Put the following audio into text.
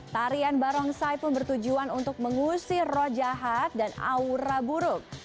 tarian barongsai pun bertujuan untuk mengusir roh jahat dan aura buruk